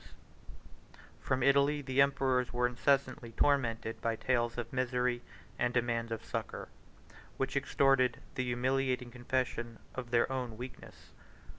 ] From Italy the emperors were incessantly tormented by tales of misery and demands of succor, which extorted the humiliating confession of their own weakness.